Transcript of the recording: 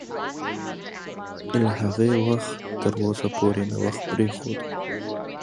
It has since left this initiative.